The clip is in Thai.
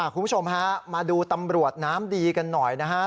คุณผู้ชมฮะมาดูตำรวจน้ำดีกันหน่อยนะฮะ